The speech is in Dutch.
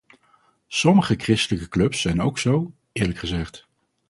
Sommige christelijke clubs zijn ook zo, eerlijk gezegd.